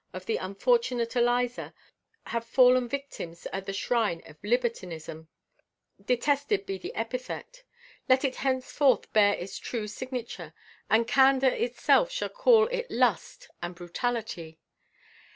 of the unfortunate Eliza have fallen victims at the shrine of libertinism. Detested be the epithet. Let it henceforth bear its true signature, and candor itself shall call it lust and brutality.